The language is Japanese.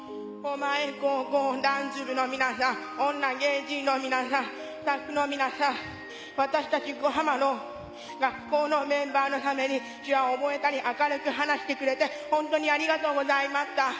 狛江高校ダンス部の皆さん、女芸人の皆さん、スタッフの皆さん、私達、横浜の学校の皆さんのために手話を覚えたり、明るく話してくれて、本当にありがとうございました。